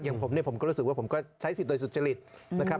อย่างผมเนี่ยผมก็รู้สึกว่าผมก็ใช้สิทธิ์โดยสุจริตนะครับ